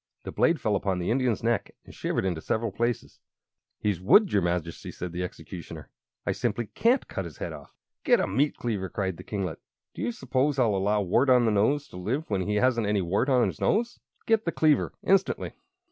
The blade fell upon the Indian's neck and shivered into several pieces. "He's wood, your Majesty," said the Executioner. "I simply can't cut his head off." "Get a meat cleaver!" cried the kinglet. "Do you suppose I'll allow Wart on the Nose to live when he hasn't any wart on his nose? Get the cleaver instantly!"